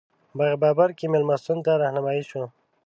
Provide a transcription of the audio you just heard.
باغ بابر کې مېلمستون ته رهنمایي شوو.